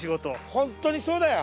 本当にそうだよ。